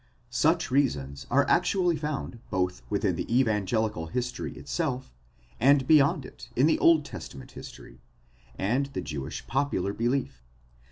Such reasons are actually found both within the evangelical history itself, and beyond it in the Old Testament history, and the Jewish popular belief.